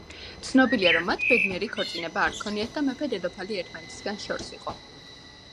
ცნობილია, რომ მათ ბედნიერი ქორწინება არ ჰქონიათ და მეფე-დედოფალი ერთმანეთისგან შორს იყო.